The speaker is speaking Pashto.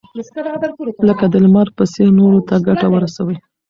لکه د لمر په څېر نورو ته ګټه ورسوئ.